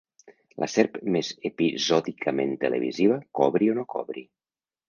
La serp més episòdicament televisiva, cobri o no cobri.